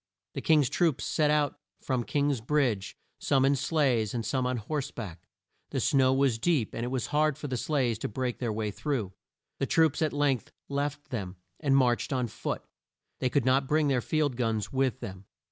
The King's troops set out from King's Bridge, some in sleighs and some on horse back. The snow was deep, and it was hard for the sleighs to break their way through. The troops at length left them, and marched on foot. They could not bring their field guns with them.